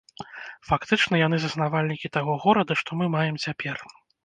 Фактычна, яны заснавальнікі таго горада, што мы маем цяпер.